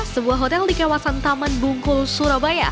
sebuah hotel di kawasan taman bungkul surabaya